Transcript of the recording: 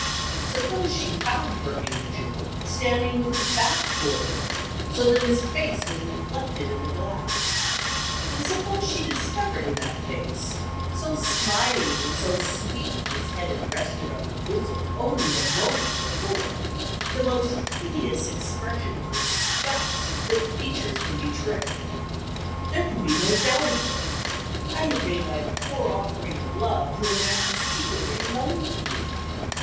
Suppose she found her angel standing with his back toward her, so that his face was reflected in the glass. And suppose she discovered in that face, so smiling and so sweet when his head had rested on her bosom only the moment before, the most hideous expression of disgust that features can betray. There could be no doubt of it; I had made my poor offering of love to a man who secretly loathed me.